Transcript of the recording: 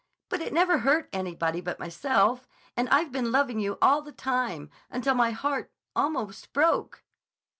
But it never hurt anybody but myself—and I've been loving you all the time—until my heart—almost broke."